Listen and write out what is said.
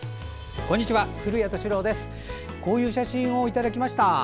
こんな写真をいただきました。